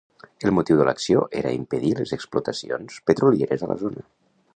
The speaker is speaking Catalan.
El motiu de l'acció era impedir les explotacions petrolieres a la zona.